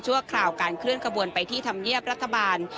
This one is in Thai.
ข่าวการเคลื่อนขบวนไปที่ธรรมเนียบรัฐบาล